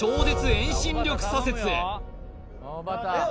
遠心力左折へえっ